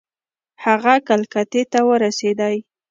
هغه کلکتې ته ورسېدی.